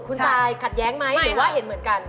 คุณซายขัดแย้งไหมหรือว่าเห็นเหมือนกัน